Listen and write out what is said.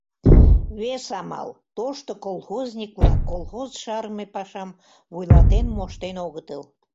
Вес амал: тошто колхозник-влак колхоз шарыме пашам вуйлатен моштен огытыл.